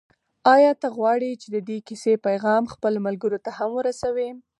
آیا ته غواړې چې د دې کیسې پیغام خپلو ملګرو ته هم ورسوې؟